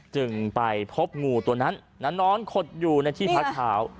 จึงไปพบงูตัวนั้นนอนขดอยู่ในที่พักเท้า